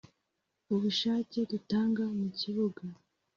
ubushake dutanga mu kibuga."